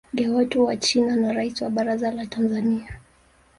ya watu wa China na Rais wa baraza la Tanzania